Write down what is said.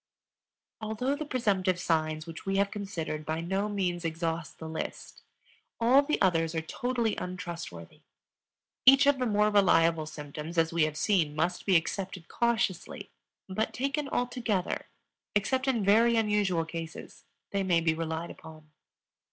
Although the presumptive signs which we have considered by no means exhaust the list, all the others are totally untrustworthy. Each of the more reliable symptoms, as we have seen, must be accepted cautiously; but taken altogether, except in very unusual cases, they may be relied upon.